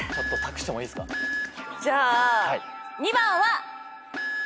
じゃあ２番は。